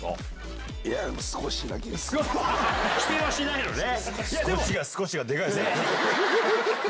否定はしないのね。